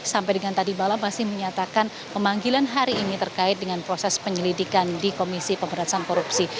sampai dengan tadi bala masih menyatakan pemanggilan hari ini terkait dengan proses penyelidikan di komisi pemberantasan korupsi